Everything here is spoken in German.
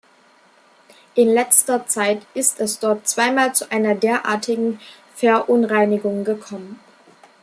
In letzter Zeit ist es dort zweimal zu einer derartigen Verunreinigung gekommen.